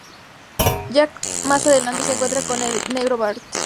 Jack más adelante se encuentra con el "El Negro Bart".